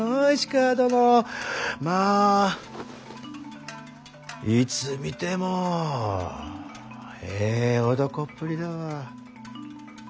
まあいつ見てもええ男っぷりだわ。